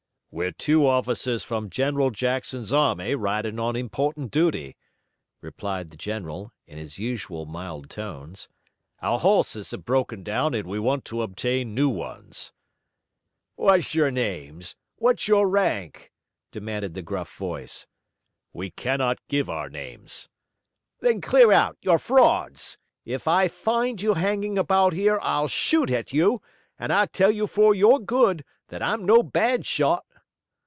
"We're two officers from General Jackson's army riding on important duty," replied the general, in his usual mild tones. "Our horses have broken down and we want to obtain new ones." "What's your names? What's your rank?" demanded the gruff voice. "We cannot give our names." "Then clear out! You're frauds! If I find you hanging about here I'll shoot at you, and I tell you for your good that I'm no bad shot."